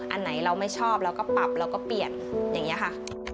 อันไหนเราไม่ชอบเราก็ปรับเราก็เปลี่ยนอย่างนี้ค่ะ